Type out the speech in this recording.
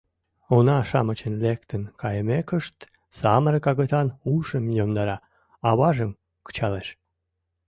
Уна-шамычын лектын кайымекышт, самырык агытан ушым йомдара: «аважым» кычалеш.